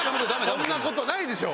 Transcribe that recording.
そんな事ないでしょ！